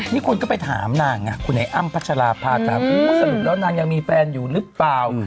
นี่คนก็ไปถามนางไงคุณไอ้อ้ำพัชราภาถามสรุปแล้วนางยังมีแฟนอยู่หรือเปล่า